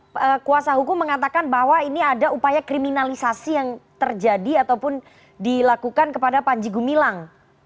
pak ito kuasa hukum mengatakan bahwa ini ada upaya kriminalisasi yang terjadi ataupun dilakukan kepada panjegu milang